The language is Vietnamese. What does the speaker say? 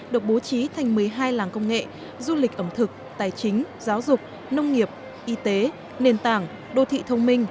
được bố trí thành một mươi hai làng công nghệ du lịch ẩm thực tài chính giáo dục nông nghiệp y tế nền tảng đô thị thông minh